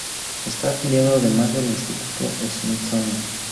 Está afiliado además al Instituto Smithsonian.